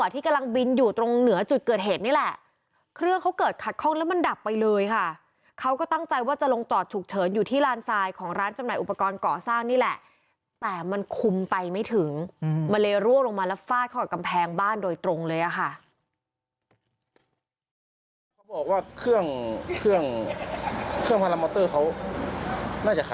ที่ถึงมะเลรั่วลงมาแล้วฟาดเข้ากับกำแพงบ้านโดยตรงเลยค่ะ